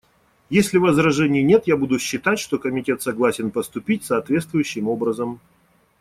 Если возражений нет, я буду считать, что Комитет согласен поступить соответствующим образом.